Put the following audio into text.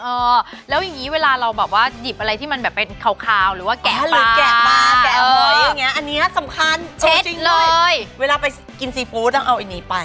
เออแล้วยังงี้เวลาเราแบบว่าหยิบอะไรที่มันแบบเป็นคาวหรือว่าแกะปลาอันนี้สำคัญเช็ดเลยเวลาไปกินซีฟู้ดต้องเอาอันนี้ไป